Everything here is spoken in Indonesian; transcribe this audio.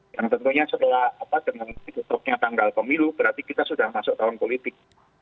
yang tentunya setelah dengan ditutupnya tanggal pemilu berarti kita sudah masuk tahun politik